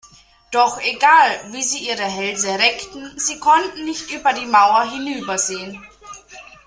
Doch egal, wie sie ihre Hälse reckten, sie konnten nicht über die Mauer hinübersehen.